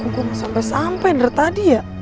kukuh gak sampai sampai ngerit tadi ya